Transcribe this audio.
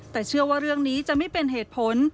แต่เชื่อว่าเรื่องนี้จะไม่เป็นเหตุผล